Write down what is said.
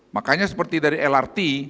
makanya seperti dari lrt